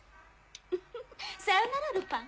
フフさよならルパン。